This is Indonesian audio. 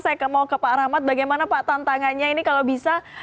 saya mau ke pak rahmat bagaimana pak tantangannya ini kalau bisa